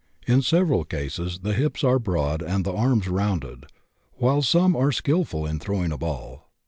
In several cases the hips are broad and the arms rounded, while some are skillful in throwing a ball.